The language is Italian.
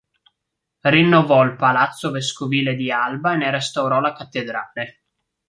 Rinnovò il palazzo vescovile di Alba e ne restaurò la cattedrale.